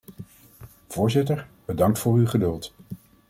Voorzitter, bedankt voor uw geduld.